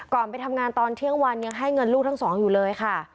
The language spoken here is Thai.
ไปทำงานตอนเที่ยงวันยังให้เงินลูกทั้งสองอยู่เลยค่ะ